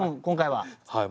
はい。